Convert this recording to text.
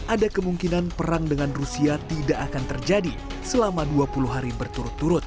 ada kemungkinan perang dengan rusia tidak akan terjadi selama dua puluh hari berturut turut